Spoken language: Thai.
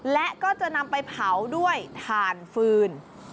และก็จะนำไปเผาด้วยถ่านฟืน